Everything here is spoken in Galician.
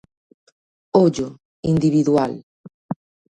Ollo, individual.